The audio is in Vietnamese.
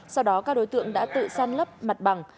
sau đó các đối tượng đã tự săn lấp mặt bằng